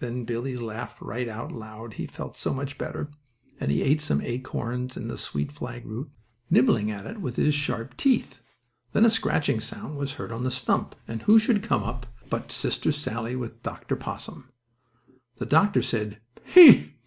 Then Billie laughed right out loud, he felt so much better, and he ate some acorns and the sweet flag root, nibbling at it with his sharp teeth. Then a scratching sound was heard on the stump, and who should come up it but Sister Sallie, with Dr. Possum. The doctor said "He!"